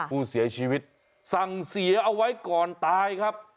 ผู้เสียชีวิตสั่งเสียเอาไว้ก่อนตายครับ